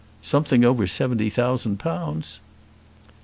"Something over seventy thousand pounds!"